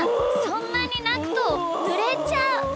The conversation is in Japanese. そんなになくとぬれちゃう。